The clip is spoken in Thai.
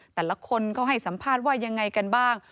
แต่ละคนเขาให้สัมภาษณ์ว่ายังไงกันบ้าง